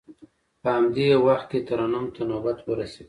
په همدې وخت کې ترنم ته نوبت ورسید.